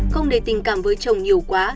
không để tình cảm với chồng nhiều quá